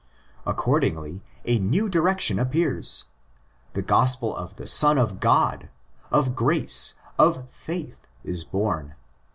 Accordingly, & new direction appears. The Gospel of the Son of God, of '' grace," of '' faith," is born.